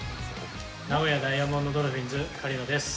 名古屋ダイヤモンドドルフィンズ、狩野です。